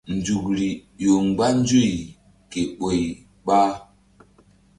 Nzukri ƴo mgba nzuy ke ɓoy ɓa.